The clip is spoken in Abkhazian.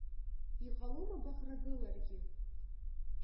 Иҟалома баӷрагыларгьы?